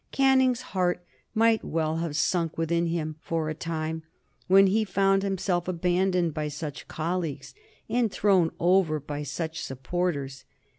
Canning's heart might well have sunk within him for a time when he found himself abandoned by such colleagues and thrown over by such supporters.